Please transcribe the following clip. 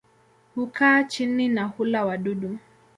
Hukaa chini na hula wadudu.